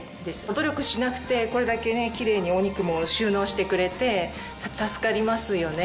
努力しなくてこれだけキレイにお肉も収納してくれて助かりますよね。